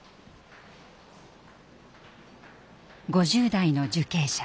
５０代の受刑者。